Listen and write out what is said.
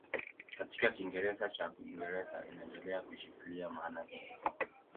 Katika Kiingereza cha Uingereza inaendelea kushikilia maana hii.